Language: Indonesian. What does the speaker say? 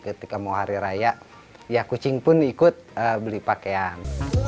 ketika mau hari raya ya kucing pun ikut beli pakaian